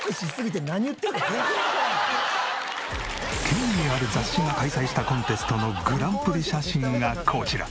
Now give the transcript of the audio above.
権威ある雑誌が開催したコンテストのグランプリ写真がこちら。